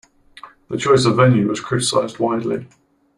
The choice of venue was criticised widely.